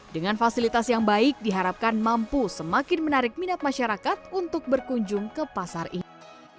dengan fasilitas yang baik diharapkan mampu semakin menarik minat masyarakat untuk berkunjung ke pasar ini